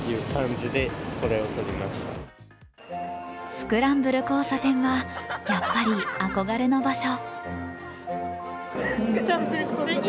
スクランブル交差点はやっぱり憧れの場所。